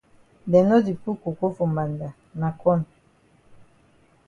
Dem no di put coco for mbanda na corn.